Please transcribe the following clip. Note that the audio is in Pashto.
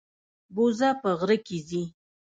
بوزه په غره کې ځي.